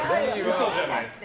嘘じゃないですか。